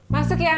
masuk ya an